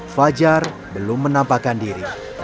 fajar belum menampakkan diri